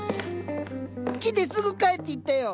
来てすぐ帰っていったよ！